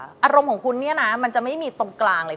อารมณ์ของคุณเนี่ยนะมันจะไม่มีตรงกลางเลย